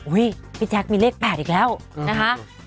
อุ้ยพี่แจ๊กซ์มีเลข๘อีกแล้วนะคะ